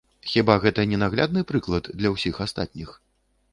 Хіба гэта не наглядны прыклад для ўсіх астатніх?